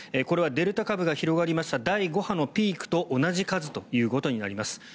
これはデルタ株が広がりました第５波のピークと同じ数ということになります。